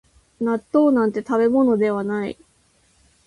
納豆なんて食べ物ではない